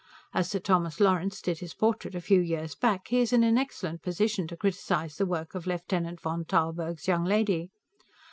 As Sir Thomas Lawrence did his portrait a few years back, he is in an excellent position to criticize the work of Lieutenant von Tarlburg's young lady.